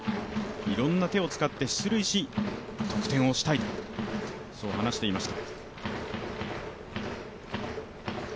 いろんな手を使って出塁し得点をしたい、そう話していました